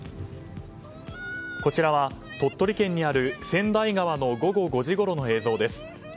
こちらは鳥取県にある千代川の午後５時ごろの映像です。